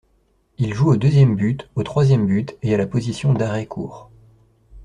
Il joue au deuxième but, au troisième but et à la position d'arrêt-court.